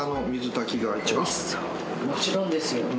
もちろんですよ。